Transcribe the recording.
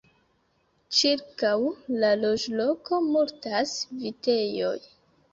Ĉirkaŭ la loĝloko multas vitejoj.